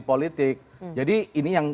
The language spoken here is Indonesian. politik jadi ini yang